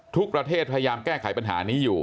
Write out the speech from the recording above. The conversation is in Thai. ทุกประเทศพยายามแก้ไขปัญหานี้อยู่